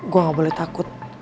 gue nggak boleh takut